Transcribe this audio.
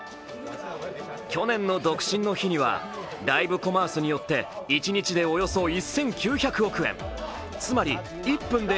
去年の独身の日には、ライブコマースによって一日でおよそ１９００億円、つまり１分で